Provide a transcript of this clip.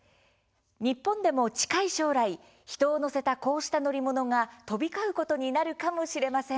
日本でも近い将来人を乗せたこうした乗り物が飛び交うことになるかもしれません。